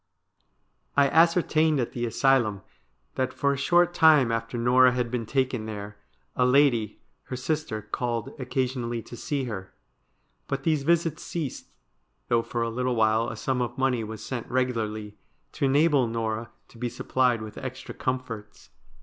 ' I ascertained at the asylum that for a short time after Norah had been taken there, a lady, her sister, called occa sionally to see her. But these visits ceased, though for a little while a sum of money was sent regularly to enable Norah to be supplied with extra comforts.